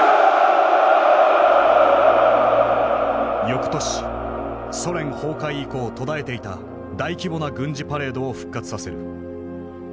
よくとしソ連崩壊以降途絶えていた大規模な軍事パレードを復活させる。